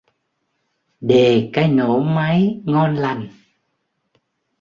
đề cái nổ máy ngon lành